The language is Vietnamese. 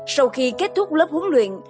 sau khi kết thúc lớp huấn luyện